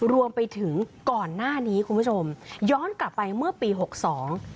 รวมไปถึงก่อนหน้านี้คุณผู้ชมย้อนกลับไปเมื่อปีหกสอง